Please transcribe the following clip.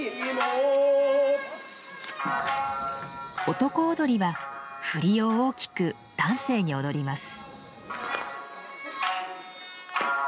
男踊りは振りを大きく端正に踊ります。